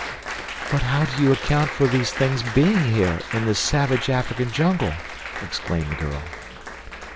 "But how do you account for these things being here, in this savage African jungle?" exclaimed the girl.